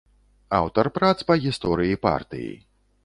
Аўтар прац па гісторыі партыі.